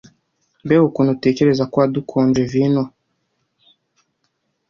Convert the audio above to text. Mbega ukuntu utekereza ko wadukonje vino?